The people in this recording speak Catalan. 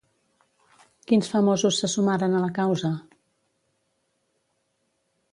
Quins famosos se sumaren a la causa?